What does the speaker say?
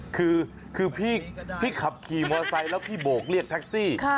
คือพี่ขับขี่มอไซค์แล้วพี่โบกเรียกแท็กซี่